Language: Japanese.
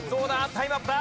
タイムアップだ。